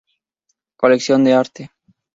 Colección de Arte.